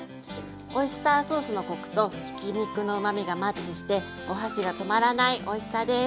オイスターソースのコクとひき肉のうまみがマッチしてお箸が止まらないおいしさです。